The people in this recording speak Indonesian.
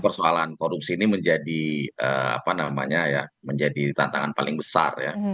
persoalan korupsi ini menjadi apa namanya ya menjadi tantangan paling besar ya